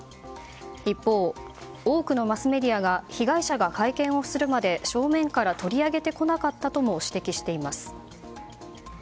一方、多くのマスメディアが被害者が会見をするまで正面から取り上げてこなかったとも指摘しています。